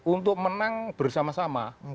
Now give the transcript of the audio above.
untuk menang bersama sama